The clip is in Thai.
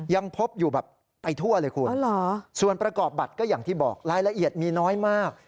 ยังพบอยู่แบบไปทั่วเลยคุณส่วนประกอบบัตรก็อย่างที่บอกรายละเอียดมีน้อยมาก